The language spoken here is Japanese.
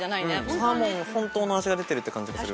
サーモンの本当の味が出てる感じがする。